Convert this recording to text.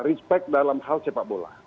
respect dalam hal sepak bola